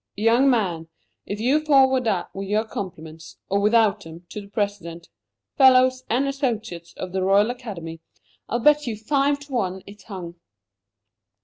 Young man, if you forward that, with your compliments, or without 'em, to the President, Fellows, and Associates of the Royal Academy, I'll bet you five to one it's hung!"